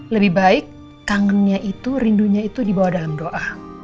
lebih baik kangennya itu rindunya itu dibawa dalam doa